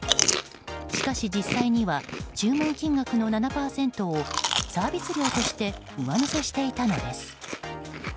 しかし実際には注文金額の７％をサービス料として上乗せしていたのです。